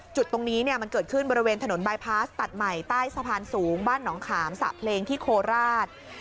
จุดตรงนี้มันเกิดขึ้นบริเวณถนนบายพาสตัดใหม่ใต้สะพานสูงบ้านหนองขามสระเพลงที่โคราช